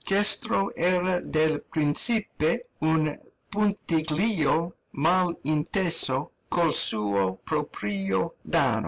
questo era del Principe un puntiglio mal inteso, col suo proprio danno.'"